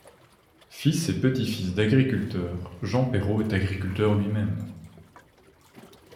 Fils et petit-fils d'agriculteur, Jean Perrot est agriculteur lui-même.